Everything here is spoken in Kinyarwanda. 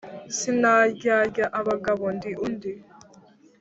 Sinaryarya abagabo ndi undi: